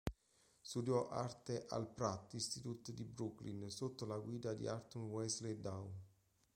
Studiò arte al Pratt Institute di Brooklyn sotto la guida di Arthur Wesley Dow.